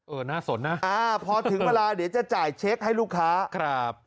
น่าสนนะอ่าพอถึงเวลาเดี๋ยวจะจ่ายเช็คให้ลูกค้าครับ